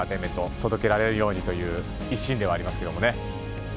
届けられるようにという一心ではありますけどもね。